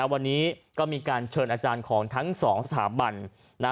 วันนี้ก็มีการเชิญอาจารย์ของทั้ง๒สถาบัน